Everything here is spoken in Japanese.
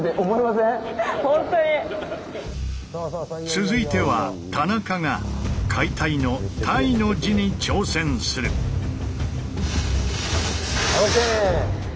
続いては田中が「解体」の「体」の字に挑戦する！ＯＫ！